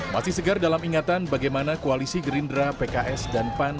masih segar dalam ingatan bagaimana koalisi gerindra pks dan pan